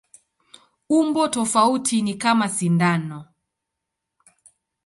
Umbo tofauti ni kama sindano.